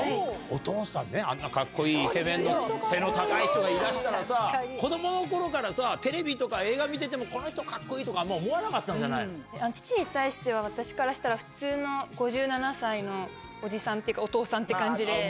お父さんね、あんなかっこいい、イケメンの、背の高い人がいらしたらさ、子どものころからさ、テレビとか映画見てても、この人かっこいいとか、あんま思わなか父に対しては私からしたら、普通の５７歳のおじさんっていうか、お父さんって感じで。